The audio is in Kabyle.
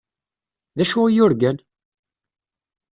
D acu i yurgan?